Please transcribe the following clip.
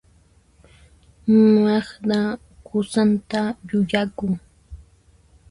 Magda qusanta yuyakun.